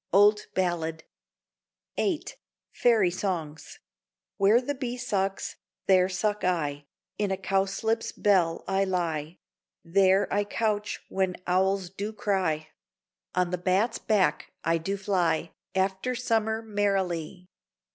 Old Ballad VIII FAIRY SONGS Where the bee sucks, there suck I: In a cowslip's bell I lie; There I couch, when owls do cry: On the bat's back I do fly After summer merrily.